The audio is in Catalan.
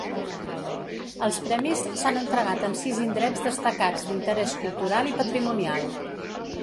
Els premis s’han entregat en sis indrets destacats d’interès cultural i patrimonial.